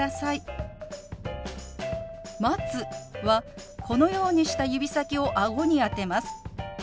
「待つ」はこのようにした指先をあごに当てます。